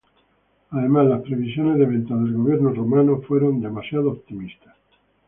Además, las previsiones de ventas del Gobierno Rumano fueron demasiado optimistas.